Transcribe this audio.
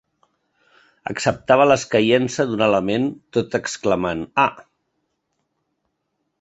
Acceptava l'escaiença d'un element tot exclamant “ah”.